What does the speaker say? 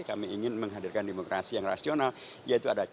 kami ingin menghadirkan demokrasi yang rasional yaitu ada